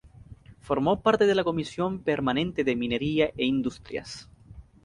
Formó parte de la comisión permanente de Minería e Industrias.